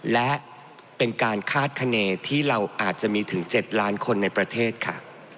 และเป็นการคาดคณีที่เราอาจจะมีถึง๗ล้านคนในประเทศค่ะ